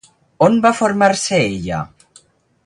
On va formar-se ella?